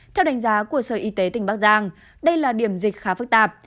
theo đánh giá của sở y tế tỉnh bắc giang đây là điểm dịch khá phức tạp